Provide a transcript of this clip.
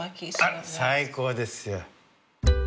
あっ最高ですよ。